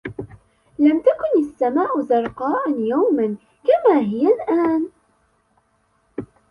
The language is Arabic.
لم تكن السماء زرقاء يوماً كما هي الآن